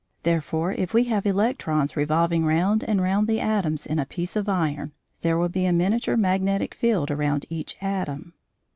Therefore if we have electrons revolving round and round the atoms in a piece of iron, there will be a miniature magnetic field around each atom.